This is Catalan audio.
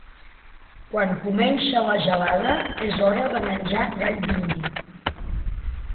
Quan comença la gelada, és hora de menjar gall d'indi.